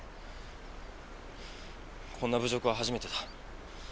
こんな侮辱は初めてだ。